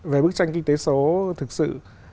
về bức tranh kinh tế số thực sự